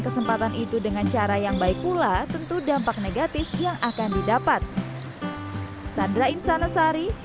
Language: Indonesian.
kesempatan itu dengan cara yang baik pula tentu dampak negatif yang akan didapat sandra insanasari